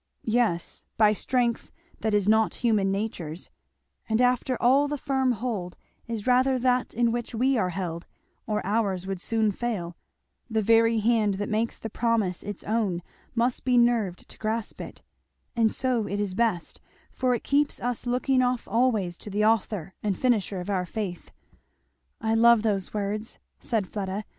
"Yes by strength that is not human nature's And after all the firm hold is rather that in which we are held, or ours would soon fail. The very hand that makes the promise its own must be nerved to grasp it. And so it is best, for it keeps us looking off always to the Author and Finisher of our faith." "I love those words," said Fleda.